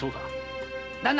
旦那！